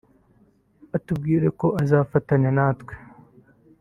atubwira ko azifatanya natwe